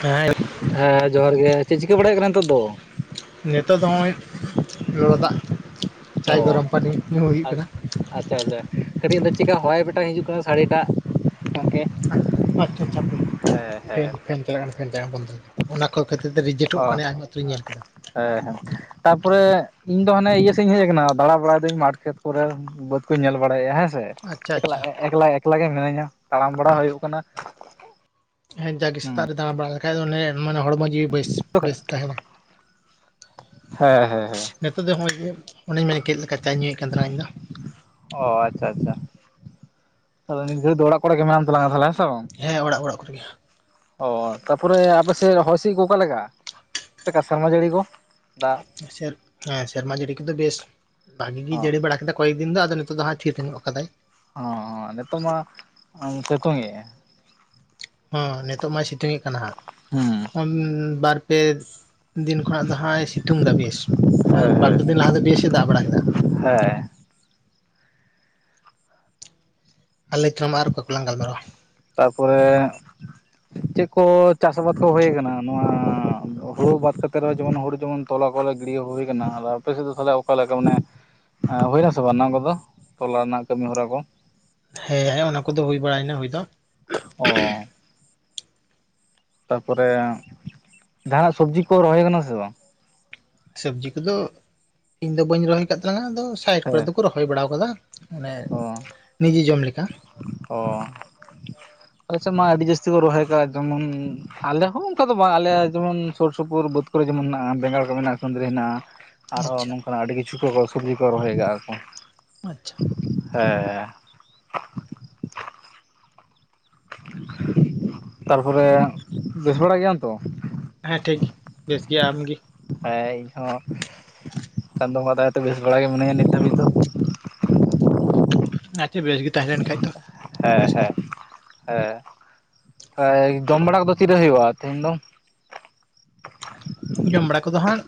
ᱦᱮᱸ ᱦᱮᱸ ᱡᱚᱦᱟᱨ ᱜᱮ ᱪᱮᱫ ᱪᱤᱠᱟᱹ ᱵᱟᱲᱟᱭ ᱠᱟᱱᱟ ᱱᱤᱛᱳ ᱫᱚ ᱞᱚᱞᱚᱫᱟᱜ ᱚ ᱟᱪ ᱟᱪᱪᱷᱟ ᱟᱪᱪᱷᱟ ᱠᱟᱹᱴᱤᱡ ᱪᱮᱠᱟ ᱦᱚᱭ ᱵᱮᱴᱟ ᱦᱤᱡᱩᱜ ᱠᱟᱱᱟ ᱥᱟᱲᱤᱴᱟᱜ ᱜᱚᱢᱠᱮ ᱟᱪᱪᱷᱟ ᱟᱪᱪᱷᱟ ᱦᱟᱯᱮ ᱯᱷᱮᱱ ᱯᱷᱮᱱ ᱪᱟᱞᱟᱜ ᱠᱟᱱᱟ ᱯᱷᱮᱱ ᱵᱚᱱᱫᱚ ᱚᱱᱟ ᱠᱚ ᱠᱷᱟᱹᱛᱤᱨ ᱛᱮ ᱨᱤᱡᱮᱠᱴᱚᱜ ᱚ ᱠᱟᱱᱟ ᱟᱭᱢᱟ ᱩᱛᱟᱹᱨᱤᱧ ᱧᱮᱞ ᱠᱮᱫᱟ ᱦᱮᱸ ᱦᱮᱸ ᱛᱟᱨᱯᱚᱨᱮ ᱤᱧ ᱫᱚ ᱦᱟᱱᱮ ᱤᱭᱟᱹ ᱥᱮᱫ ᱤᱧ ᱦᱮᱡ ᱟᱠᱟᱱᱟ ᱫᱟᱬᱟ ᱵᱟᱲᱟᱭ ᱫᱟᱹᱧ ᱢᱟᱴᱷ ᱠᱷᱮᱛ ᱠᱚᱨᱮ ᱵᱟᱹᱫ ᱠᱚᱧ ᱧᱮᱞ ᱵᱟᱲᱟᱭᱮᱫᱼᱟ ᱦᱮᱸ ᱥᱮ ᱟᱪᱪᱷᱟ ᱮᱠᱞᱟ ᱟᱪᱪᱷᱟ ᱮᱠᱞᱟ ᱮᱠᱞᱟ ᱜᱮ ᱢᱤᱱᱟᱹᱧᱟ ᱛᱟᱲᱟᱢ ᱵᱟᱲᱟ ᱟᱪᱪᱷᱟ ᱦᱩᱭᱩᱜ ᱠᱟᱱᱟ ᱦᱮᱸ ᱡᱟᱜᱮ ᱦᱩᱸ ᱥᱮᱛᱟᱜ ᱨᱮ ᱫᱟᱬᱟ ᱵᱟᱲᱟ ᱞᱮᱠᱷᱟᱡ ᱚᱱᱮ ᱢᱟᱱᱮ ᱦᱚᱲᱢᱚ ᱡᱤᱣᱤ ᱵᱮᱥ ᱵᱮᱥ ᱛᱟᱦᱮᱱᱟ ᱦᱮᱸ ᱦᱮᱸ ᱦᱮᱸ ᱱᱤᱛᱳᱜ ᱫᱚ ᱦᱚᱸᱭ ᱜᱮ ᱚᱱᱮᱧ ᱢᱮᱱ ᱠᱮᱫ ᱞᱮᱠᱟ ᱪᱟ ᱧᱩᱭᱮᱫ ᱠᱟᱱ ᱛᱟᱞᱟᱝ ᱟ ᱤᱧ ᱫᱚ ᱚ ᱟᱪᱪᱷᱟ ᱟᱪᱪᱷᱟ ᱛᱟᱦᱞᱮ ᱱᱤᱛ ᱜᱷᱟᱹᱲᱤᱡ ᱫᱚ ᱚᱲᱟᱜ ᱠᱚᱨᱮ ᱜᱮ ᱢᱮᱱᱟᱢ ᱛᱟᱞᱟᱝᱼᱟ ᱛᱟᱦᱚᱞᱮ ᱥᱮ ᱵᱟᱝ ᱦᱮᱸ ᱚᱲᱟᱜ ᱚᱲᱟᱜ ᱠᱚᱨᱮᱜᱮ ᱚ ᱛᱟᱯᱚᱨᱮ ᱟᱯᱮᱥᱮᱫ ᱦᱚᱭ ᱦᱤᱥᱤᱫ ᱠᱚ ᱚᱠᱟ ᱞᱮᱠᱟ ᱪᱮᱫ ᱞᱮᱠᱟ ᱥᱮᱨᱢᱟ ᱡᱟᱹᱲᱤ ᱠᱚ ᱫᱟᱜ ᱥᱮᱨ ᱦᱮᱸ ᱥᱮᱨᱢᱟ ᱡᱟᱹᱲᱤ ᱠᱚᱫᱚ ᱵᱮᱥ ᱵᱷᱟᱜᱤ ᱜᱮ ᱚ ᱡᱟᱹᱲᱤ ᱵᱟᱲᱟ ᱠᱮᱫᱟ ᱠᱚᱭᱮᱠ ᱫᱤᱱ ᱫᱚ ᱟᱫᱚ ᱱᱤᱛᱚᱜ ᱫᱚ ᱦᱟᱸᱜ ᱛᱷᱤᱨ ᱛᱷᱤᱨ ᱧᱚᱜ ᱠᱟᱫᱟᱭ ᱦᱚᱸ ᱱᱤᱛᱚᱜ ᱢᱟ ᱥᱤᱛᱩᱝᱮᱜᱼᱟᱭ ᱦᱮ ᱱᱤᱛᱚᱜ ᱢᱟᱭ ᱥᱤᱛᱩᱝ ᱮᱜ ᱠᱟᱱᱟ ᱦᱟᱸᱜ ᱦᱩᱸ ᱵᱟᱨ ᱯᱮ ᱫᱤᱱ ᱠᱷᱚᱱᱟᱜ ᱫᱚ ᱦᱟᱸᱜ ᱮ ᱥᱤᱛᱩᱝ ᱮᱫᱟ ᱵᱮᱥ ᱟᱨ ᱦᱮᱸ ᱵᱟᱨᱯᱮ ᱦᱮᱸ ᱫᱤᱱ ᱞᱟᱦᱟ ᱫᱚ ᱵᱮᱥ ᱮ ᱫᱟᱜ ᱵᱟᱲᱟ ᱠᱮᱫᱟ [unintelligible] ᱟᱞᱮ ᱪᱷᱚᱢᱟᱨ ᱠᱚ‌ ᱠᱚᱞᱟᱝ ᱜᱟᱞᱢᱟᱨᱟᱣᱟ ᱛᱟᱯᱚᱨᱮ ᱪᱮᱫ ᱠᱚ ᱪᱟᱥ ᱟᱵᱟᱫ ᱠᱚ ᱦᱩᱭ ᱟᱠᱟᱱᱟ ᱱᱚᱣᱟ ᱦᱩᱲᱩ ᱵᱟᱛ ᱠᱟᱛᱮᱫ ᱨᱮᱦᱚ ᱡᱮᱢᱚᱱ ᱦᱩᱲᱩ ᱡᱮᱢᱚᱱ ᱛᱚᱞᱟ ᱠᱚᱞᱮ ᱜᱤᱲᱤᱭᱟ ᱦᱩᱭ ᱠᱟᱱᱟ ᱟᱯᱮ ᱥᱮᱫ ᱫᱚ ᱛᱟᱦᱚᱞᱮ ᱚᱠᱟᱞ ᱞᱮᱠᱟ ᱢᱟᱱᱮ ᱮᱸ ᱦᱩᱭᱱᱟᱥᱮ ᱵᱟᱝ ᱱᱚᱣᱟ ᱠᱚᱫᱚ ᱛᱚᱞᱟ ᱨᱮᱱᱟᱜ ᱠᱟᱹᱢᱤ ᱦᱚᱨᱟ ᱠᱚ ᱦᱮᱸ ᱦᱮᱸ ᱚᱱᱟ ᱠᱚᱫᱚ ᱦᱩᱭ ᱵᱟᱲᱟᱭᱮᱱᱟ ᱦᱩᱭ ᱫᱚ ᱚ ᱛᱟᱨᱯᱚᱨᱮ ᱡᱟᱸᱦᱟᱱᱟᱜ ᱥᱚᱵᱡᱤ ᱠᱚ ᱨᱚᱦᱚᱭ ᱠᱟᱱᱟ ᱥᱮ ᱵᱟᱝ ᱥᱚᱵᱡᱤ ᱠᱚᱫᱚ ᱤᱧ ᱫᱚ ᱵᱟᱹᱧ ᱨᱚᱦᱚᱭ ᱟᱠᱟᱫ ᱛᱟᱞᱟᱝᱟ ᱟᱫᱚ ᱥᱟᱭᱤᱰ ᱠᱚᱨᱮ ᱦᱮᱸ ᱫᱚᱠᱚ ᱨᱚᱦᱚᱭ ᱵᱟᱲᱟ ᱟᱠᱟᱫᱟ ᱢᱟᱱᱮ ᱚ ᱱᱤᱡᱮ ᱡᱚᱢ ᱞᱮᱠᱟ ᱚ ᱟᱞᱮ ᱥᱮᱫ ᱢᱟ ᱟᱹᱰᱤ ᱡᱟᱹᱥᱛᱤ ᱠᱚ ᱨᱚᱦᱚᱭ ᱠᱟᱜᱼᱟ ᱡᱮᱢᱚᱱ ᱟᱞᱮ ᱦᱚᱸ ᱚᱱᱠᱟ ᱫᱚ ᱵᱟᱝ ᱟᱞᱮ ᱡᱮᱢᱚᱱ ᱥᱩᱨ ᱥᱩᱯᱩᱨ ᱵᱟᱹᱫᱽ ᱠᱚᱨᱮ ᱡᱮᱢᱚᱱ ᱢᱮᱱᱟᱜᱼᱟ ᱵᱮᱜᱟᱲ ᱠᱚ ᱢᱮᱱᱟᱜᱼᱟ ᱠᱩᱱᱫᱽᱨᱤ ᱦᱮᱱᱟᱜᱼᱟ ᱟᱨᱦᱚᱸ ᱟᱪᱪᱷᱟ ᱱᱚᱝᱠᱟᱱᱟᱜ ᱟᱹᱰᱤ ᱠᱤᱪᱷᱩ ᱠᱚ ᱥᱚᱵᱡᱤ ᱠᱚ ᱨᱚᱦᱚᱭ ᱟᱠᱟᱜᱼᱟᱠᱚ ᱟᱪᱪᱷᱟ ᱦᱮᱸ ᱛᱟᱨᱯᱚᱨᱮ ᱵᱮᱥ ᱵᱟᱲᱟ ᱜᱮᱭᱟᱢ ᱛᱚ ᱦᱮᱸ ᱴᱷᱤᱠ ᱜᱮ ᱵᱮᱥ ᱜᱮᱭᱟ ᱟᱢᱜᱮ ᱦᱮᱸ ᱤᱧ ᱦᱚᱸ ᱪᱟᱸᱫᱚ ᱵᱚᱸᱜᱟ ᱫᱟᱭᱟ ᱛᱮ ᱵᱮᱥ ᱵᱟᱲᱟ ᱜᱮ ᱢᱤᱱᱟᱧᱟ ᱱᱤᱛ ᱫᱷᱟᱹᱵᱤᱡ ᱫᱚ ᱟᱪᱪᱷᱟ ᱵᱮᱥ ᱜᱮ ᱛᱟᱦᱮᱸ ᱞᱮᱱ ᱠᱷᱟᱡ ᱫᱚ ᱵᱮᱥ ᱦᱮᱸ ᱜᱮ ᱦᱮᱸ ᱦᱮᱸ ᱦᱚᱭ ᱡᱚᱢ ᱵᱟᱲᱟ ᱠᱚᱫᱚ ᱛᱤᱨᱮ ᱦᱩᱭᱩᱜᱼᱟ ᱛᱮᱦᱮᱧ ᱫᱚ ᱡᱚᱢ ᱵᱟᱲᱟ ᱠᱚᱫᱚ ᱦᱟᱸᱜ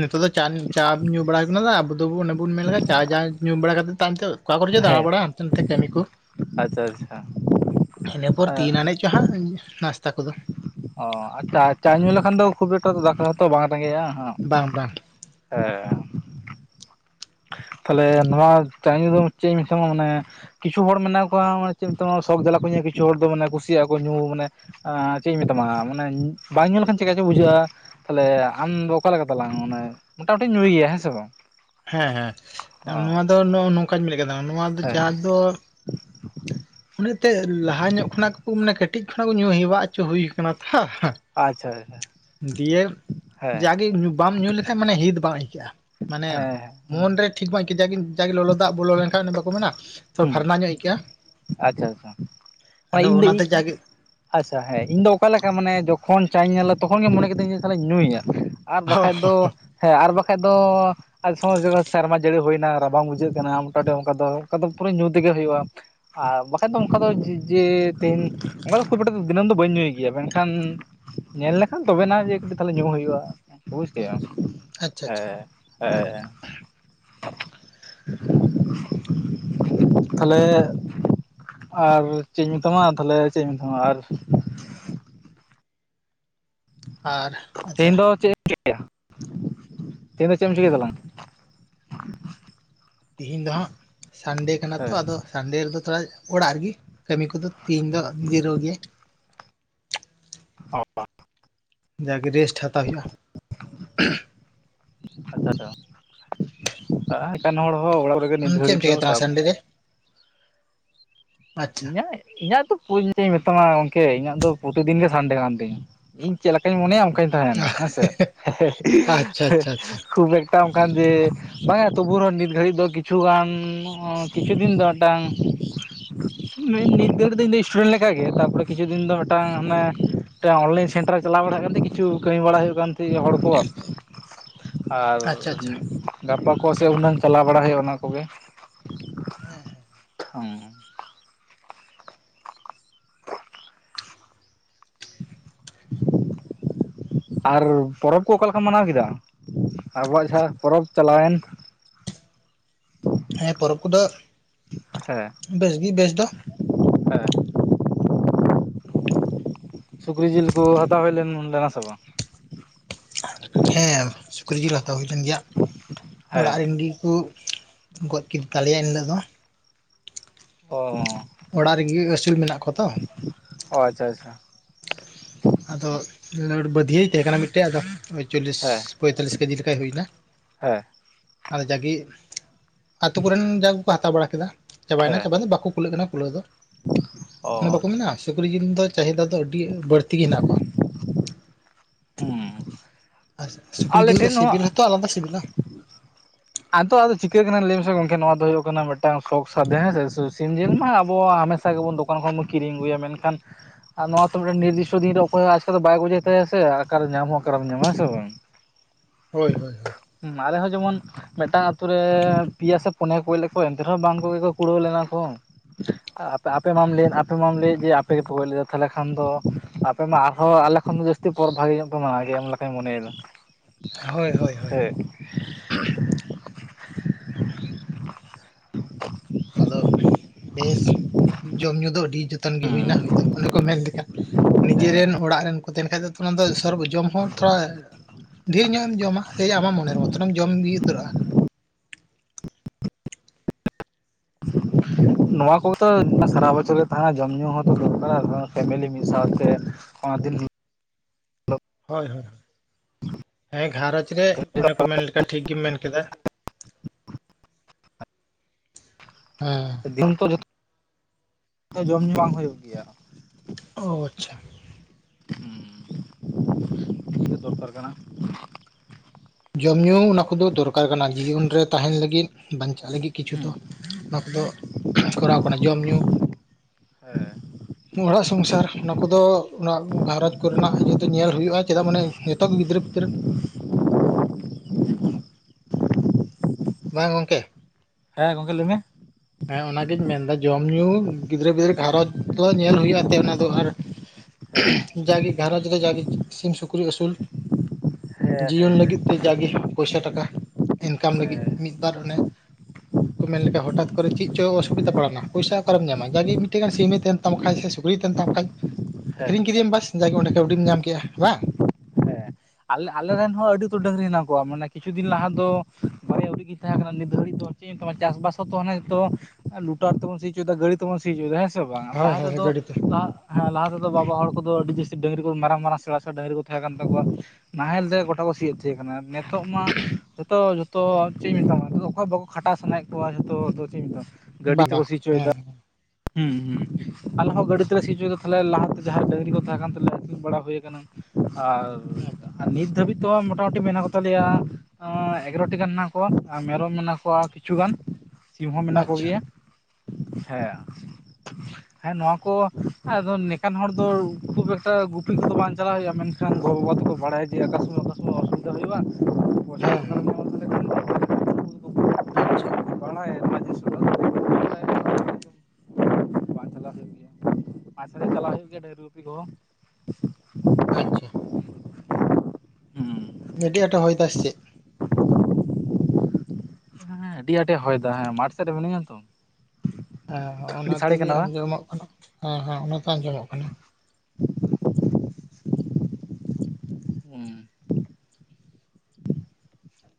ᱱᱤᱛᱚᱜ ᱫᱚ ᱪᱟ ᱪᱟ ᱧᱩ ᱵᱟᱲᱟ ᱟᱠᱟᱱᱟ ᱟᱵᱚ ᱫᱚ ᱚᱱᱮ ᱵᱚᱱ ᱢᱮᱱᱟ ᱪᱟ ᱡᱟᱦᱟᱭ ᱧᱩ ᱵᱟᱲᱟ [unintelligible] ᱚᱠᱟ ᱠᱚᱨᱮᱪᱚ ᱫᱟᱬᱟ ᱦᱮᱸ ᱵᱟᱲᱟ ᱦᱟᱱᱛᱮ ᱱᱟᱛᱮ ᱠᱟᱹᱢᱤ ᱠᱚ ᱟᱪᱪᱷᱟ ᱟᱪᱪᱷᱟ ᱤᱱᱟᱹᱯᱚᱨ ᱛᱤᱱ ᱟᱱᱮᱡ ᱪᱚ ᱦᱟᱜ ᱱᱟᱥᱛᱟ ᱠᱚᱫᱚ ᱚ ᱟᱪᱪᱷᱟ ᱪᱟ ᱧᱩ ᱞᱮᱠᱷᱟᱱ ᱫᱚ ᱠᱷᱩᱵ ᱮᱠᱴᱟ ᱫᱟᱠᱟ ᱦᱚᱸᱛᱚ ᱵᱟᱝ ᱨᱮᱜᱮᱡ-ᱟ ᱦᱮᱸ ᱵᱟᱝ ᱵᱟᱝ ᱛᱟᱦᱞᱮ ᱱᱚᱣᱟ ᱪᱟ ᱧᱩ ᱫᱚ ᱪᱮᱫ ᱤᱧ ᱢᱮᱛᱟᱢᱟ ᱢᱟᱱᱮ ᱠᱤᱪᱷᱩ ᱦᱚᱲ ᱢᱮᱱᱟᱜ ᱠᱚᱣᱟ ᱢᱟᱱᱮ ᱪᱮᱫ ᱤᱧ ᱢᱮᱛᱟᱢᱟ ᱥᱚᱠ ᱡᱟᱞᱟ ᱠᱚ ᱧᱩᱭᱟ ᱠᱤᱪᱷᱩ ᱦᱚᱲ ᱫᱚ ᱢᱟᱱᱮ ᱠᱩᱥᱤᱭᱟᱜᱼᱟ ᱠᱚ ᱧᱩ ᱢᱟᱱᱮ ᱪᱮᱫ ᱤᱧ ᱢᱮᱛᱟᱢᱟ ᱢᱟᱱᱮ ᱵᱟᱝ ᱧᱩ ᱞᱮᱠᱷᱟᱱ ᱪᱮᱫ ᱞᱮᱠᱟ ᱪᱚ ᱵᱩᱡᱷᱟᱹᱜᱼᱟ ᱛᱟᱦᱚᱞᱮ ᱟᱢ ᱫᱚ ᱚᱠᱟ ᱞᱮᱠᱟ ᱛᱟᱞᱟᱝ ᱢᱟᱱᱮ ᱢᱚᱴᱟᱢᱩᱴᱤ ᱧᱩᱭ ᱜᱮᱭᱟ ᱦᱮᱸ ᱥᱮ ᱵᱟᱝ ᱦᱮᱸ ᱦᱮᱸ ᱚ ᱱᱚᱣᱟ ᱫᱚ ᱱᱚᱜ ᱱᱚᱝᱠᱟᱧ ᱢᱮᱱᱮᱫ ᱠᱟᱱ ᱱᱚᱣᱟ ᱦᱮᱸ ᱪᱟ ᱫᱚ ᱚᱱᱮ ᱮᱱᱛᱮᱫ ᱞᱟᱦᱟ ᱧᱚᱜ ᱠᱷᱚᱱᱟᱜ ᱢᱟᱱᱮ ᱠᱟᱹᱴᱤᱡ ᱠᱷᱚᱱᱟᱜ ᱠᱚ ᱧᱩᱩᱭ ᱦᱮᱣᱟ ᱚᱪᱚ ᱦᱩᱭ ᱟᱠᱟᱱᱟ ᱛᱚ ᱟᱪᱷᱟ ᱟᱪᱷᱟ ᱫᱤᱭᱮ ᱡᱟᱜᱮ ᱵᱟᱢ ᱧᱩ ᱞᱮᱠᱷᱟᱱᱡ ᱢᱟᱱᱮ [unintelligible] ᱵᱟᱝ ᱟᱹᱭᱠᱟᱹᱜᱼᱟ ᱢᱟᱱᱮ ᱦᱮᱸ ᱢᱚᱱᱨᱮ ᱴᱷᱤᱠ ᱵᱟᱝ ᱟᱹᱭᱠᱟᱹᱜᱭᱟ ᱡᱟᱜᱮ ᱞᱚᱞᱚ ᱫᱟᱜ ᱵᱚᱞᱚ ᱞᱮᱱᱠᱷᱟᱱ ᱵᱟᱠᱚ ᱢᱮᱱᱟ ᱛᱚ ᱦᱮᱸ ᱯᱷᱟᱨᱱᱟ ᱧᱚᱜ ᱟᱹᱭᱠᱟᱹᱜᱼᱟ ᱟᱪᱪᱷᱟ ᱟᱪᱪᱷᱟ ᱢᱟᱱᱮ ᱟᱫᱚ ᱤᱧ ᱚᱱᱟᱛᱮ ᱫᱚ ᱡᱟᱜᱮ ᱟᱪᱪᱷᱟ ᱦᱮᱸ ᱤᱧ ᱫᱚ ᱚᱠᱟᱮᱠᱟ ᱢᱟᱱᱮ ᱛᱠᱷᱚᱱ ᱪᱟ ᱧᱮᱞᱞᱟ ᱛᱚᱠᱷᱚᱱ ᱜᱮ ᱢᱚᱱᱮ ᱠᱮᱫᱟ ᱛᱟᱦᱚᱞᱮᱧ ᱧᱩᱭᱟ ᱟᱨ ᱦᱚᱸ ᱵᱟᱠᱷᱟᱡ ᱫᱚ ᱦᱚᱸ ᱦᱮᱸ ᱟᱨ ᱵᱟᱠᱷᱟᱡ ᱫᱚ [unintelligible] ᱥᱮᱨᱢᱟ ᱡᱟᱹᱲᱤ ᱦᱩᱭᱱᱟ ᱨᱟᱵᱟᱝ ᱵᱩᱡᱷᱟᱹᱜ ᱠᱟᱱᱟ [unintelligible] ᱚᱱᱠᱟ ᱫᱚ ᱚᱠᱟ ᱫᱚ ᱯᱩᱨᱟᱹ ᱧᱩ ᱛᱮᱜᱮ ᱦᱩᱭᱩᱜᱼᱟ ᱟᱨ ᱵᱟᱠᱟᱱ ᱫᱚ ᱚᱱᱠᱟ ᱫᱚ ᱡᱮ ᱛᱮᱦᱧ ᱚᱱᱠᱟ [unintelligible] ᱫᱤᱱᱟᱹᱢ ᱫᱚ ᱵᱟᱹᱧ ᱧᱩᱭ ᱜᱮᱭᱟ ᱢᱮᱱᱠᱷᱟᱱ ᱧᱮᱞ ᱞᱮᱠᱷᱟᱱ ᱛᱚᱵᱮᱱᱟ ᱡᱮ ᱠᱟᱹᱴᱤᱡ ᱛᱟᱦᱚᱞᱮ ᱧᱩ ᱦᱩᱭᱩᱜᱼᱟ ᱵᱩᱡᱽ ᱠᱮᱟᱢ ᱟᱪᱪᱷᱟ ᱟᱪᱪᱷᱟ ᱦᱮᱸ ᱦᱮᱸ [inaudible] ᱛᱟᱦᱞᱮ ᱟᱨ ᱪᱮᱫ ᱤᱧ ᱢᱮᱛᱟᱢᱟ ᱛᱟᱦᱞᱮ ᱪᱮᱫ ᱤᱧ ᱢᱮᱛᱟᱢᱟ ᱟᱨ ᱟᱨ ᱟᱪᱪᱷᱟ [inaudible] ᱛᱚᱵᱮ ᱪᱮᱫ ᱮᱢ ᱪᱤᱠᱟᱹᱭ ᱛᱟᱞᱟᱝ-ᱟ ᱛᱤᱦᱮᱧ ᱫᱚ ᱦᱟᱸᱜ ᱥᱟᱱᱰᱮ ᱠᱟᱱᱟ ᱛᱚ ᱦᱮᱸ ᱟᱫᱚ ᱥᱟᱱᱰᱮ ᱨᱮᱫᱚ ᱛᱷᱚᱲᱟ ᱚᱲᱟᱜ ᱨᱮᱜᱮ ᱠᱟᱹᱢᱤ ᱠᱚᱫᱚ ᱛᱮᱦᱤᱧ ᱫᱚ ᱡᱤᱨᱟᱹᱣ ᱜᱮᱭᱟ ᱚ ᱡᱟᱜᱮ ᱨᱮᱥᱴ ᱦᱟᱛᱟᱣ ᱦᱩᱭᱩᱜᱼᱟ ᱟᱪᱪᱷᱟ ᱟᱪᱪᱷᱟ [unintelligible] ᱚᱲᱟᱜ ᱨᱮᱜᱮ ᱱᱤᱛ ᱟᱢ ᱪᱮᱫ ᱮᱢ ᱫᱷᱷᱟᱹᱲᱤᱡ ᱫᱚ ᱪᱤᱠᱟᱹᱭ ᱛᱟᱞᱟᱝᱟ ᱛᱟᱯᱚᱨ ᱥᱟᱱᱰᱮ ᱨᱮ ᱟᱪᱪᱷᱟ ᱤᱧᱟᱹᱜ ᱤᱧᱟᱹᱜ ᱛᱚ ᱢᱮᱛᱟᱢᱟ ᱜᱚᱝᱠᱮ ᱤᱧᱟᱹᱜ ᱫᱚ ᱯᱨᱚᱛᱤᱫᱤᱱ ᱜᱮ ᱥᱟᱱᱰᱮ ᱠᱟᱱ ᱛᱤᱧ ᱤᱧ ᱪᱮᱫ ᱞᱮᱠᱟᱧ ᱢᱚᱱᱮᱭᱟ ᱛᱟᱦᱮᱸᱱᱟ ᱦᱮᱸᱥᱮ ᱟᱪᱪᱷᱟ ᱟᱪᱪᱷᱟ ᱟᱪᱪᱷᱟ ᱠᱷᱩᱵ ᱮᱠᱴᱟ [unintelligible] ᱡᱮ ᱵᱟᱝᱟ ᱛᱚᱵᱩ ᱨᱮᱦᱚ ᱱᱤᱛ ᱜᱷᱟᱹᱲᱤᱡ ᱫᱚ ᱠᱤᱪᱷᱩᱜᱟᱱ ᱠᱤᱪᱷᱩ ᱫᱤᱱ ᱫᱚ ᱢᱤᱫᱴᱟᱝ [inaudible] [inaudible] ᱤᱧ ᱫᱚ ᱥᱴᱩᱰᱮᱱᱴ ᱞᱮᱠᱟ ᱜᱮ ᱛᱟᱯᱚᱨᱮ ᱠᱤᱪᱷᱩ ᱫᱤᱱ ᱫᱚ ᱢᱤᱫᱴᱟᱝ ᱢᱟᱱᱮ ᱢᱤᱫ ᱚᱱᱞᱟᱭᱤᱱ ᱥᱮᱱᱟᱨ ᱨᱮ ᱪᱟᱞᱟᱣ ᱵᱟᱲᱟᱜᱼᱟ ᱛᱮ ᱠᱤᱪᱷᱩ ᱠᱟᱹᱢᱤ ᱵᱟᱲᱟ ᱦᱩᱭᱩᱜ ᱟᱠᱟᱱ ᱛᱮ ᱦᱚᱲ ᱠᱚ ᱟᱪᱪᱷᱟ ᱟᱪᱪᱷᱟ ᱟᱨ [unintelligible] ᱠᱚ ᱥᱮ ᱩᱱᱟᱹᱝ ᱪᱟᱞᱟᱣ ᱵᱟᱲᱟ ᱦᱩᱭᱩᱜᱼᱟ ᱚᱱᱟ ᱠᱚᱜᱮ ᱦᱮᱸ ᱦᱮᱸ [inaudible] ᱟᱨ ᱯᱚᱨᱚᱵᱽ ᱠᱚ ᱚᱠᱟᱞᱮᱠᱟᱢ ᱢᱟᱱᱟᱣ ᱠᱮᱫᱟ ᱟᱵᱚᱣᱟᱜ ᱡᱟᱦᱟᱸ ᱯᱚᱨᱚᱵᱽ ᱪᱟᱞᱟᱣᱮᱱ ᱦᱮᱸ ᱯᱚᱨᱚᱵᱽ ᱠᱚᱫᱚ ᱵᱮᱥ ᱜᱮ ᱵᱮᱥ ᱫᱚ ᱦᱮᱸ ᱥᱩᱠᱨᱤ ᱡᱤᱞ ᱠᱚ ᱦᱟᱛᱟᱣ ᱦᱩᱭ ᱞᱮᱱ ᱮᱱᱟ ᱥᱮ ᱵᱟᱝ ᱦᱮᱸ ᱥᱩᱠᱨᱤ ᱡᱤᱞ ᱦᱟᱛᱟᱣ ᱦᱩᱭ ᱞᱮᱱ ᱜᱮᱭᱟ ᱚᱲᱟᱜ ᱦᱮᱸ ᱨᱮᱱ ᱜᱮᱠᱚ ᱜᱚᱫ ᱠᱮᱫ ᱛᱟᱞᱮᱭᱟ ᱮᱱᱤᱞᱳᱜ ᱫᱚ ᱚ ᱚᱲᱟᱜ ᱨᱮᱜᱮ ᱟᱹᱥᱩᱞ ᱢᱮᱱᱟᱜ ᱠᱚᱣᱟᱛᱚ ᱚ ᱟᱪᱪᱷᱟ ᱟᱪᱪᱷᱟ ᱵᱟᱫᱷᱤᱭᱟᱹ ᱛᱟᱦᱮᱸ ᱠᱟᱱᱟ ᱢᱤᱫᱴᱮᱡ ᱟᱫᱚ ᱪᱚᱞᱞᱤᱥ ᱦᱮᱸ ᱯᱚᱸᱭᱛᱟᱞᱞᱤᱥ ᱠᱮᱡᱤ ᱞᱮᱠᱟᱭ ᱦᱩᱭᱮᱱᱟ ᱦᱮᱸ ᱟ ᱡᱟᱜᱮ ᱟᱛᱳ ᱠᱚᱨᱮᱱ ᱡᱟ ᱠᱚᱠᱚ ᱦᱟᱛᱟᱣ ᱵᱟᱲᱟ ᱠᱮᱫᱟ ᱪᱟᱵᱟᱭᱱᱟ ᱦᱮᱸ ᱪᱟᱵᱟᱟᱭᱱᱟ ᱵᱟᱠᱚ ᱠᱩᱞᱟᱹᱜ ᱠᱟᱱᱟ ᱠᱩᱞᱟᱹᱜ ᱫᱚ ᱚ ᱟᱱ ᱵᱟᱠᱚ ᱢᱮᱱᱟ ᱥᱩᱠᱨᱤ ᱡᱤᱞ ᱫᱚ ᱪᱟᱹᱦᱤᱫᱟ ᱫᱚ ᱟᱹᱰᱤ ᱵᱟᱹᱲᱛᱤ ᱛᱮᱜᱮ ᱦᱮᱱᱟᱜ ᱠᱚᱣᱟ ᱦᱩᱸ ᱟᱨ ᱥᱩᱠᱨᱤ ᱟᱞᱮ ᱡᱤᱞ ᱫᱚ ᱴᱷᱮᱱ ᱦᱚᱸ ᱥᱤᱵᱤᱞ ᱦᱚᱸᱛᱚ ᱟᱞᱟᱫᱟ ᱥᱤᱵᱤᱞᱟ ᱟᱫᱚ ᱟᱫᱚ ᱪᱤᱠᱟᱹ ᱠᱟᱱᱟ ᱞᱟᱹᱭᱢᱥᱮ ᱜᱚᱝᱠᱮ ᱱᱚᱣᱟ ᱫᱚ ᱦᱩᱭᱩᱜ ᱠᱟᱱᱟ ᱢᱤᱫᱴᱟᱝ ᱥᱚᱠ ᱥᱟᱫᱷᱮ ᱦᱮᱸ ᱥᱩ ᱥᱤᱢ ᱡᱤᱞ ᱢᱟ ᱟᱵᱚᱣᱟᱜ ᱦᱟᱢᱮᱥᱟ ᱜᱮᱵᱚᱱ ᱫᱚᱠᱟᱱ ᱠᱷᱚᱱ ᱵᱚᱱ ᱠᱤᱨᱤᱧ ᱟᱹᱜᱩᱭᱟ ᱢᱮᱱᱠᱷᱟᱱ ᱟᱨ ᱱᱚᱣᱟ ᱢᱤᱫᱴᱮᱱ ᱱᱤᱨᱫᱤᱥᱴᱚ ᱫᱤᱱᱨᱮ ᱚᱠᱚᱭ ᱦᱟᱸ ᱵᱟᱭ ᱜᱚᱡᱟᱭ ᱛᱟᱭᱟ ᱥᱮ ᱚᱠᱟᱨᱮ ᱧᱟᱢᱼᱟ ᱚᱠᱟᱨᱮᱢ ᱧᱟᱢᱟ ᱦᱮᱸ ᱥᱮ ᱵᱟᱝ ᱦᱳᱭ ᱦᱳᱭᱳᱭ ᱦᱩᱸ ᱟᱞᱮ ᱦᱚᱸ ᱡᱮᱢᱚᱱ ᱢᱤᱫᱴᱟᱝ ᱟᱛᱳ ᱨᱮ ᱯᱮᱭᱟ ᱥᱮ ᱯᱩᱱᱭᱟ ᱠᱚ ᱜᱚᱡ ᱞᱮᱫ ᱠᱚᱣᱟ ᱮᱱᱛᱮ ᱨᱮᱦᱚᱸ ᱵᱟᱝ ᱠᱚᱜᱮ ᱠᱚ ᱠᱩᱲᱟᱹᱣ ᱞᱮᱱᱟ ᱠᱚ ᱟᱯᱮ ᱢᱟᱢ ᱞᱟᱹᱭ ᱟᱯᱮ ᱢᱟᱢ ᱞᱟᱹᱭᱮᱫ ᱡ ᱟᱯᱮ ᱜᱮᱯᱮ ᱜᱚᱡ ᱞᱮᱫᱟ ᱛᱟᱦᱮᱸ ᱠᱷᱟᱱ ᱫᱚ ᱟᱯᱮ ᱢᱟ ᱟᱨᱦᱚᱸ ᱟᱞᱮ ᱠᱷᱚᱱ ᱫᱚ ᱡᱟᱹᱥᱛᱤ ᱯᱚᱨ ᱵᱷᱟᱜᱮ ᱧᱚᱜ ᱯᱮ ᱢᱟᱱᱟᱣ ᱜᱮᱭᱟ ᱮᱢ ᱞᱮᱠᱟᱧ ᱢᱚᱱᱮᱭᱮᱫᱟ ᱦᱳᱭ ᱦᱳᱭ ᱦᱳᱭ ᱥᱮ ᱟᱫᱚ ᱵᱮᱥ ᱡᱚᱢ ᱧᱩ ᱫᱚ ᱟᱹᱰᱤ ᱡᱚᱛᱚᱱ ᱜᱮ ᱦᱩᱭᱱᱟ ᱦᱩᱭ ᱫᱚ ᱚᱱᱮ ᱠᱚ ᱢᱮᱱ ᱞᱮᱠᱷᱟᱱ ᱱᱤᱡᱮᱨᱮᱱ ᱦᱮᱸ ᱚᱲᱟᱜ ᱨᱮᱱ ᱠᱚ ᱛᱟᱦᱮᱱ ᱠᱷᱟ ᱫᱚ ᱚᱱᱟ ᱫᱚ ᱥᱚᱨᱵᱡᱚᱢ ᱦᱚᱸ ᱛᱷᱚᱲᱟ ᱰᱷᱮᱨ ᱧᱚᱜ ᱮᱢ ᱡᱚᱢᱟ ᱥᱮ ᱟᱢᱟᱜ ᱢᱚᱱᱮᱨᱮ ᱢᱚᱛᱚᱱ ᱮᱢ ᱡᱚᱢ ᱵᱤᱨ ᱩᱛᱟᱹᱨᱚᱜᱼᱟ ᱻ ᱻ ᱱᱚᱣᱟ ᱠᱚᱫᱚ ᱥᱟᱨᱟ ᱵᱚᱪᱷᱚᱨ ᱛᱟᱦᱮᱱᱟ ᱡᱚᱢᱧᱩ ᱦᱚᱸᱛᱚ ᱫᱚᱨᱠᱟᱨ ᱯᱷᱮᱢᱮᱞᱤ ᱢᱤᱫ ᱥᱟᱶᱛᱮ ᱫᱤᱞᱞᱤ ᱦᱳᱭ ᱦᱳᱭ ᱦᱮᱸ ᱜᱷᱟᱨᱚᱸᱡᱽ ᱨᱮ ᱚᱱᱮ ᱠᱚ ᱢᱮᱱ ᱞᱮᱠᱟ ᱴᱷᱤᱠ ᱜᱮᱢ ᱢᱮᱱ ᱠᱮᱫᱟ ᱦᱮᱸ ᱫᱤᱱ ᱠᱚ ᱡᱚᱛᱚ ᱡᱚᱢ ᱧᱩ ᱵᱟᱝ ᱦᱩᱭᱩᱜ ᱜᱮᱭᱟ ᱚ ᱟᱪᱪᱷᱟ ᱦᱮᱸ ᱱᱤᱭᱟᱹ ᱫᱚᱨᱠᱟᱨ ᱠᱟᱱᱟ ᱡᱚᱢ ᱧᱩ ᱚᱱᱟ ᱠᱚᱫᱚ ᱫᱚᱨᱠᱟᱨ ᱠᱟᱱᱟ ᱡᱤᱭᱚᱱ ᱨᱮ ᱛᱟᱦᱮᱱ ᱞᱟᱹᱜᱤᱫ ᱵᱟᱧᱪᱟᱜ ᱞᱟᱹᱜᱤᱫ ᱠᱤᱪᱷᱩ ᱫᱚ ᱚᱱᱟ ᱠᱚᱫᱚ ᱠᱚᱨᱟᱣ ᱠᱟᱱᱟ ᱡᱚᱢ ᱧᱩ ᱦᱮᱸ ᱚᱲᱟᱜ ᱥᱚᱝᱥᱟᱨ ᱚᱱᱟ ᱠᱚᱫᱚ ᱚᱱᱟ ᱜᱷᱟᱸᱨᱚᱧᱡᱽ ᱠᱚᱨᱮᱱᱟᱜ ᱤᱭᱟ‍ᱹ ᱧᱮᱞ ᱦᱩᱭᱩᱜᱼᱟ ᱪᱮᱫᱟᱜ ᱢᱟᱱᱮ ᱡᱚᱛᱚ ᱜᱤᱫᱽᱨᱟᱹᱼ ᱯᱤᱫᱽᱨᱟᱹ ᱵᱟᱝ ᱜᱚᱢᱠᱮ‌ ᱦᱮᱸ ᱜᱚᱢᱠᱮ ᱞᱟᱹᱭ ᱢᱮ‍ ᱦᱮᱸ ᱚᱱᱟᱜᱤᱧ ᱢᱮᱱᱫᱟ ᱡᱚᱢ ᱧᱩ ᱜᱤᱫᱽᱨᱟᱹᱼ ᱯᱤᱫᱽᱨᱟᱹ ᱜᱸᱷᱟᱨᱚᱸᱡᱽ ᱫᱚ ᱧᱮᱞ ᱦᱩᱭᱩᱜᱼᱟ ᱛᱮ ᱚᱱᱟ ᱫᱚ ᱦᱮᱸ ᱡᱟᱜᱮ ᱜᱷᱟᱨᱚᱸᱧᱡᱽ ᱨᱮ ᱡᱟᱜᱮ ᱥᱤᱢ ᱥᱩᱠᱨᱤ ᱟᱹᱥᱩᱞ ᱦᱮᱸ ᱦᱮᱸ ᱡᱤᱭᱚᱱ ᱞᱟᱹᱜᱤᱫ ᱛᱮ ᱡᱟᱜᱮ ᱯᱚᱭᱥᱟ ᱴᱟᱠᱟ ᱤᱱᱠᱟᱢ ᱞᱟᱹᱜᱤᱫ ᱦᱮᱸ ᱢᱤᱫ ᱵᱟᱨ ᱚᱱᱮ ᱠᱚ ᱢᱮᱱ ᱞᱮᱠᱟ ᱦᱚᱴᱟᱛ ᱪᱮᱫ ᱪᱚ ᱚᱥᱩᱵᱤᱫᱟ ᱯᱟᱲᱟᱣᱱᱟ ᱯᱚᱭᱥᱟ ᱚᱠᱟᱨᱮᱢ ᱧᱟᱢᱟ ᱢᱤᱫᱴᱮᱱ ᱜᱟᱱ ᱥᱤᱢᱮ ᱛᱟᱦᱮᱱ ᱛᱟᱢ ᱠᱷᱟᱱ ᱥᱮ ᱥᱩᱠᱨᱤᱭ ᱛᱟᱦᱮᱱ ᱛᱟᱢ ᱠᱷᱟᱡ ᱦᱮᱸ ᱟᱠᱷᱨᱤᱧ ᱠᱮᱫᱮᱟᱢ ᱵᱟᱥ ᱡᱟᱜᱮ ᱚᱸᱰᱮ ᱠᱟᱹ ᱠᱟᱹᱣᱰᱤᱢ ᱧᱟᱢ ᱠᱮᱫᱼᱟ ᱵᱟᱝ ᱦᱮᱸ ᱟᱞᱮ ᱟᱞᱮᱨᱮ ᱨᱮᱱ ᱦᱚᱸ ᱟᱹᱰᱤ ᱩᱛᱟᱹᱨ ᱰᱟᱹᱝᱨᱤ ᱦᱮᱱᱟᱜ ᱠᱚᱣᱟ ᱢᱟᱱᱮ ᱠᱤᱪᱷᱩ ᱫᱤᱱ ᱞᱟᱦᱟ ᱫᱚ ᱵᱟᱨᱭᱟ ᱟᱹᱣᱵᱤᱡ ᱜᱤ ᱛᱟᱦᱮᱸ ᱠᱟᱱᱟ ᱱᱤᱛ ᱫᱷᱟᱹᱲᱤᱡ ᱫᱚ ᱪᱮᱫ ᱢᱮᱛᱟᱢᱟ ᱪᱟᱥ ᱛᱚ ᱦᱟᱱᱮ ᱡᱚ ᱞᱚᱴᱟᱨ ᱛᱮᱵᱚᱱ ᱥᱤ ᱦᱚᱪ ᱫᱟ ᱜᱟᱹᱲᱤ ᱛᱮᱵᱚᱱ ᱥᱤ ᱦᱚᱪᱚᱭ ᱫᱟ ᱦᱮᱸ ᱵᱟᱝ ᱦᱳᱭ ᱞᱟᱦᱟ ᱦᱳᱭ ᱛᱮᱫᱚ ᱜᱟᱹᱰᱤᱛᱮ ᱦᱮᱸ ᱞᱟᱦᱟ ᱛᱮᱫᱚ ᱵᱟᱵᱟ ᱦᱚᱲ ᱠᱚᱫᱚ ᱟᱹᱰᱤ ᱡᱟᱹᱥᱛᱤ ᱰᱟᱝᱨᱤ ᱠᱚ ᱢᱟᱨᱟᱝ ᱢᱟᱨᱟᱝ ᱥᱮᱬᱟ ᱥᱮ ᱰᱟᱹᱝᱨᱤ ᱠᱚ ᱛᱟᱦᱮᱸ ᱠᱟᱱ ᱛᱟᱠᱚᱣᱟ ᱱᱟᱦᱮᱞ ᱛᱮ ᱜᱚᱴᱟ ᱠᱚ ᱥᱤᱭᱮᱫ ᱛᱟᱦᱮᱸ ᱠᱟᱱᱟ ᱱᱤᱛᱚᱜ ᱢᱟ ᱡᱚᱛᱚ ᱡᱚᱛᱚ ᱪᱮᱫ ᱤᱧ ᱢᱮᱛᱟᱢᱟ ᱚᱠᱚ ᱵᱟᱠᱚ ᱠᱷᱟᱴᱟᱜ [unintelligible] ᱪᱠᱟ ᱥᱟᱱᱟᱭᱮᱫ ᱠᱚᱣᱟ ᱡᱷᱚᱛᱚ ᱫᱚ ᱪᱮᱫ ᱫᱚ ᱵᱟᱵᱟ ᱦᱮᱸ ᱦᱮᱸ ᱦᱸ ᱟᱞᱮ ᱦᱚᱸ ᱜᱟᱹᱰᱤ ᱛᱮᱞᱮ ᱥᱤᱪᱟᱮ ᱞᱟᱦᱟᱛᱮ ᱡᱟᱦᱟᱸᱭ ᱰᱟᱹᱝᱨᱤ ᱠᱚ ᱛᱟᱦᱮᱸ ᱠᱟᱱ ᱛᱟᱞᱮ ᱟᱹᱠᱨᱤ ᱵᱟᱲᱟ ᱦᱩᱭ ᱟᱠᱟᱱᱟ ᱦᱮᱸ ᱟᱨ ᱱᱤᱛ ᱫᱷᱟᱹᱵᱤᱡ ᱛᱚ ᱢᱳᱚᱴᱟᱢᱩᱴᱤ ᱢᱮᱱᱟᱜ ᱠᱚᱛᱟᱟᱞᱮᱭᱟ ᱮᱜᱟᱨᱳᱚᱴᱤ ᱜᱟᱱ ᱢᱮᱱᱟᱜ ᱠᱚᱣᱟ ᱟᱨ ᱢᱮᱨᱚᱢ ᱢᱮᱱᱟᱜ ᱠᱚᱣᱟ ᱠᱤᱪᱷᱩ ᱜᱟᱱ ᱥᱤᱢ ᱦᱚᱸ ᱢᱮᱱᱟᱜ ᱟᱪᱪᱷᱟ ᱠᱚᱜᱮᱭᱟ ᱦᱮᱸ ᱦᱮᱸ ᱱᱚᱣᱟ ᱠᱚᱫᱚ ᱱᱮᱠᱟᱱ ᱦᱚᱲ ᱫᱚ ᱠᱷᱩᱵ ᱮᱠᱴᱟ ᱜᱩᱯᱤ ᱠᱚᱫᱚ ᱵᱟᱝ ᱪᱟᱞᱟᱜ ᱦᱩᱭᱩᱜᱼᱟ ᱢᱮᱱᱠᱷᱟᱱ ᱜᱚ ᱵᱟᱵᱟ ᱫᱚᱠᱚ ᱵᱟᱲᱟᱭᱟᱮ ᱚᱠᱟᱥᱚᱢᱚ ᱚᱠᱟᱥᱚᱢᱚ ᱚᱥᱩᱵᱤᱫᱟ ᱦᱩᱭᱩᱜᱼᱟ ᱯᱚᱭᱥᱟ ᱠᱚ ᱦᱮᱸ ᱚᱠᱟᱨᱮᱢ ᱦᱮᱸ ᱧᱟᱢᱟ ᱛᱟᱦᱚᱞᱮ ᱟᱪᱪᱷᱟ ᱦᱚᱭᱻᱦᱚᱭ ᱦᱩᱸ ᱵᱟᱝ ᱪᱟᱞᱟᱜ ᱦᱩᱭᱩᱜ ᱜᱮᱭᱟ ᱢᱟᱪ ᱪᱟᱞᱟᱜ ᱦᱩᱭᱩᱜ ᱜᱮᱭᱟ ᱰᱨᱤ ᱜᱩᱯᱤ ᱠᱚᱦᱚᱸ ᱟᱪᱪᱷᱟ ᱦᱩᱸ ᱟᱹᱰᱤ ᱟᱸᱴᱮ ᱦᱩᱭ ᱫᱟ ᱥᱮ ᱪᱮᱫ ᱦᱮᱸ ᱟᱹᱰᱤ ᱟᱸᱴᱮ ᱦᱚᱭ ᱫᱟᱜ ᱦᱮᱸ ᱢᱟᱴᱷ ᱥᱮᱫ ᱨᱮ ᱢᱤᱱᱟᱹᱧᱟ ᱛᱚ ᱦᱮᱸ ᱦᱮᱸ ᱚᱱᱟ ᱠᱟᱹᱴᱤᱡ ᱥᱟᱰᱮ ᱛᱮᱜᱮ ᱠᱟᱱᱟ ᱵᱟᱝ ᱟᱸᱡᱚᱢᱚᱜ ᱠᱟᱱᱟ ᱦᱮᱸ ᱦᱮᱸ ᱚᱱᱟᱛᱮ ᱟᱸᱡᱚᱢᱚᱜ ᱠᱟᱱᱟ ᱦᱩᱸ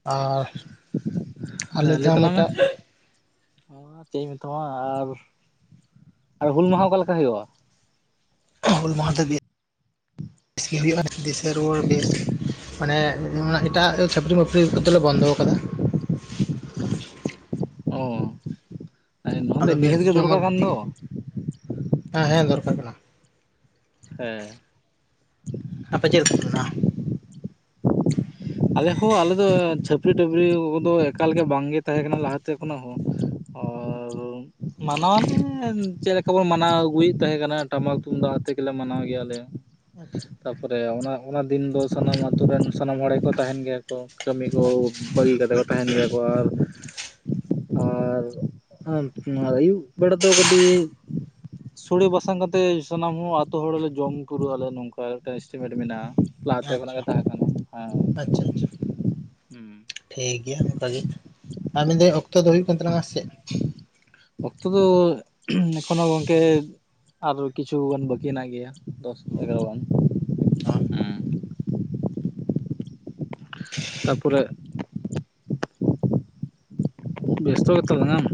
[unintelligible] ᱟᱨ ᱟᱞᱮ ᱞᱟᱹᱭ ᱛᱟ ᱛᱟᱞᱟᱝ ᱢᱮ ᱢᱤᱫᱴᱟᱜ ᱚ ᱪᱮᱫ ᱤᱧ ᱢᱮᱛᱟᱢᱟ ᱟᱨ ᱟᱨ ᱦᱩᱞ ᱢᱟᱦᱟ ᱚᱠᱟᱞᱮᱠᱟ ᱦᱩᱭᱩᱜᱼᱟ ᱦᱩᱞ ᱢᱟᱦᱟ ᱫᱚ ᱵᱮᱥ ᱵᱮᱥ ᱜᱮ ᱦᱩᱭᱩᱜᱼᱟ ᱫᱤᱥᱮ ᱨᱩᱣᱟᱹᱲ ᱵᱮᱥ ᱢᱟᱱᱮ ᱮᱴᱟᱜ ᱪᱟᱹᱯᱨᱤ ᱢᱟᱟᱹᱯᱨᱤ ᱠᱚ ᱫᱚᱞᱮ ᱵᱚᱱᱫᱚ ᱠᱟᱫᱟ ᱚ ᱱᱚᱣᱟ ᱫᱚ ᱟᱫᱚ ᱵᱮᱥ ᱱᱤᱦᱟᱹᱛ ᱜᱮ ᱡᱚᱢᱟᱜ ᱫᱚᱨᱠᱟᱨ ᱠᱟᱱ ᱫᱚ ᱛᱮᱜᱮ ᱦᱮᱸ ᱦᱮᱸ ᱫᱚᱨᱠᱟᱨ ᱠᱟᱱᱟ ᱦᱮᱸ ᱟᱯᱮ ᱪᱮᱫᱮᱠᱟ ᱢᱮᱱᱟᱜᱼᱟᱼᱟ ᱟᱞᱮ ᱦᱚᱸ ᱟᱞᱮ ᱫᱚ ᱪᱷᱟ ᱴᱩᱯᱨᱤ ᱴᱟᱯᱨᱤ ᱠᱚᱫᱚ ᱮᱠᱟᱞᱜ ᱵᱟᱝᱜᱮ ᱛᱟᱦᱮᱸ ᱠᱟᱱᱟᱟᱱᱟ ᱞᱟᱦᱟᱛᱮ ᱠᱷᱚᱱᱟᱜ ᱦᱚᱸ ᱟᱨ ᱱᱟ ᱪᱮᱫ ᱞᱮᱠᱟ ᱵᱚᱱ ᱢᱟᱱᱟᱣ ᱟᱹᱜᱩᱭᱮᱫ ᱛᱟᱦᱮᱸ ᱠᱟᱱᱟ ᱴᱟᱢᱟᱠ ᱛᱩᱢᱫᱟᱜ ᱟ ᱮ ᱢᱟᱱᱟᱣ ᱜᱮᱭᱟᱞᱮ ᱟᱪᱪᱷᱟ ᱛᱟᱯᱚᱨᱮ ᱚᱱᱟ ᱚᱱᱟ ᱫᱤᱱ ᱫᱚ ᱥᱟᱱᱟᱢ ᱟᱛᱳ ᱨᱮᱱ ᱥᱟᱱᱟᱢ ᱦᱚᱲ ᱜᱮᱠᱚ ᱛᱟᱦᱮᱱ ᱜᱮᱭᱟ ᱠᱚ ᱠᱟᱹᱢᱤ ᱠᱚ ᱵᱟᱹᱜᱤ ᱠᱟᱛᱮ ᱠᱚ ᱛᱟᱦᱮᱱ ᱜᱮᱭᱟ ᱠᱚ ᱟᱨ ᱟᱨ ᱟᱹᱭᱩᱵ ᱵᱮᱲᱟ ᱫᱚ ᱠᱟᱹᱴᱤᱡ ᱥᱚᱲᱮ ᱵᱟᱥᱟᱝ ᱠᱟᱛᱮᱫ ᱥᱟᱱᱟᱢ ᱦᱚᱸ ᱟᱹᱛᱩ ᱦᱚᱲᱞᱮ ᱡᱚᱢ ᱯᱩᱨᱟᱹᱜ ᱟᱞᱮ ᱱᱚᱝᱠᱟ ᱢᱤᱫᱴᱮᱡ ᱮᱥᱴᱤᱢᱮᱴ ᱢᱮᱱᱟᱜᱼᱟ ᱞᱟᱦᱟᱛᱮ ᱠᱷᱚᱱᱟᱜ ᱟᱪᱪᱷᱟ ᱜᱮ ᱛᱟᱦᱮᱸᱟᱸ ᱠᱟᱱᱟ ᱦᱮᱸ ᱴᱷᱤᱠᱜᱮᱭᱟ ᱚᱱᱠᱟᱜᱮ ᱟᱨ ᱢᱮᱱᱫᱟᱹᱧ ᱚᱠᱛᱚ ᱫᱚ ᱦᱩᱭᱩᱜ ᱠᱟᱱ ᱛᱟᱞᱟᱝᱟ ᱥᱮ ᱚᱠᱛᱚ ᱫᱚ ᱮᱠᱷᱚᱱᱳ ᱜᱚᱢᱠᱮ ᱟᱨᱚ ᱠᱤᱪᱷᱩᱜ ᱜᱟᱱ ᱵᱟᱹᱠᱤ ᱦᱮᱱᱟᱜ ᱜᱮᱭᱟ ᱫᱚᱥ ᱮᱜᱟᱨᱚ ᱜᱟᱱ ᱦ [inaudible] ᱛᱟᱨᱯᱚᱨᱮ ᱵᱮᱥᱛᱚ ᱜᱮᱛᱚ ᱢᱮᱱᱟᱢ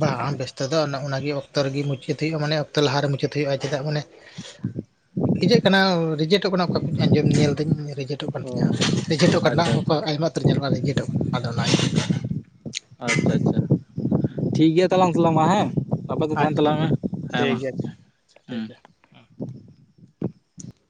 ᱵᱟᱝ ᱵᱮᱥᱛᱚ ᱫᱚ ᱚᱮ ᱚᱠᱛᱚ ᱨᱮᱜᱮ ᱢᱩᱪᱟᱹᱫ ᱦᱩᱭᱩᱜᱼᱟ ᱢᱟᱱᱮ ᱚᱠᱛᱚ ᱞᱟᱦᱟᱮ ᱢᱩᱪᱟᱹᱫ ᱦᱩᱭᱩᱜᱼᱟ ᱪᱮᱫᱟᱜ ᱢᱟᱱᱮ [unintelligible] ᱦᱮᱸ ᱤᱧᱟᱜ ᱠᱟᱱᱟ ᱨᱤᱡᱮᱮᱴᱴᱚᱜ ᱠᱟᱱᱟ ᱚᱠᱟ ᱠᱚᱧ ᱟᱸᱡᱚᱢ ᱧᱮᱞ ᱫᱟᱹᱧ ᱨᱮᱴᱚᱜ ᱠᱟᱱ ᱚ ᱛᱤᱧᱟᱹ ᱨᱮᱡᱴᱚᱜ ᱠᱟᱱᱟ ᱟᱪᱪᱷᱟ ᱟᱪᱪᱷᱟ ᱟᱭᱢᱟ ᱩᱛᱟᱹᱨ ᱧᱮᱞᱚᱜ ᱠᱟᱱᱟ ᱨᱮᱡᱴᱚᱜ ᱠᱟᱱᱟ ᱟᱫᱚ ᱚᱱᱟᱜᱮ ᱟᱪᱪᱷᱟ ᱟᱪᱪᱷᱟ ᱴᱷᱤᱠ ᱜᱮᱭᱟ ᱛᱟᱦᱞᱟᱮᱝ ᱥᱟᱞᱟᱜ ᱢᱟ ᱦᱮᱸ ᱜᱟᱯᱟ ᱫᱚ ᱛᱟᱦᱮᱱ ᱟᱪᱪᱷᱟ ᱛᱟᱞᱟᱝ ᱢᱮ ᱦᱮᱸ ᱴᱷᱤᱠ ᱢᱟ ᱜᱮᱭᱟ ᱟᱪᱪᱷᱟ ᱦᱮᱸ ᱴᱷᱤᱠ ᱜᱮᱭᱟ